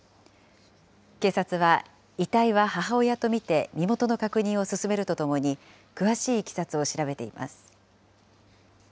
警察は遺体は母親と見て、身元の確認を進めるとともに、詳しいいきさつを調べています。